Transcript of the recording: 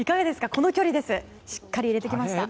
この距離をしっかり入れてきました。